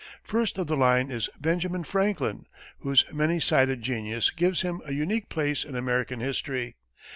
First of the line is Benjamin Franklin, whose many sided genius gives him a unique place in American history.